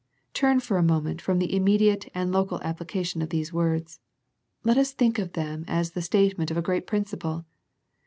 Turn for a moment from the immediate and local application of these words. Let us think of them as the statement of a great principle.